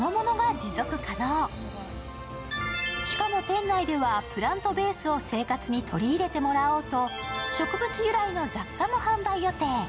店内ではプラントベースを生活に取り入れてもらおうと、植物由来の雑貨も販売予定。